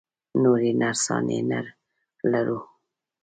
نورې نرسانې نه لرو؟